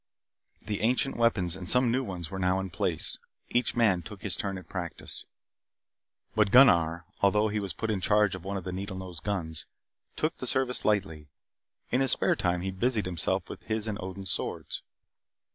The ancient weapons and some new ones were now in place. Each man took his turn at practice. But Gunnar, although he was put in charge of one of the needle nosed guns, took the service lightly. In his spare time he busied himself with his and Odin's swords.